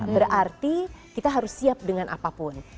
berarti kita harus siap dengan apapun